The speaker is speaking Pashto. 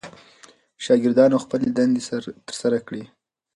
شاګردانو خپلې دندې ترسره کړې.